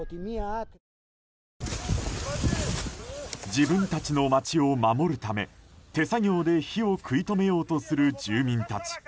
自分たちの町を守るため手作業で火を食い止めようとする住民たち。